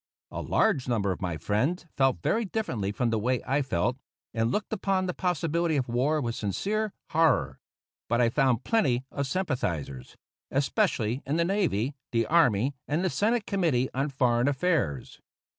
A large number of my friends felt very differently from the way I felt, and looked upon the possibility of war with sincere horror. But I found plenty of sympathizers, especially in the navy, the army, and the Senate Committee on Foreign Affairs.